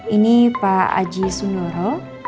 ini pak aji sundoro